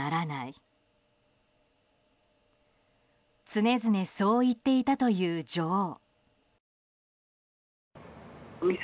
常々そう言っていたという女王。